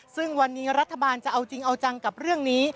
ซึ่งวันนี้รัฐบาลจะเอาจริงเอาจังกับเรื่องนี้